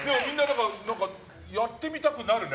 やってみたくなるね。